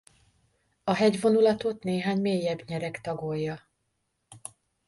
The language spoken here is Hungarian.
A hegyvonulatot néhány mélyebb nyereg tagolja.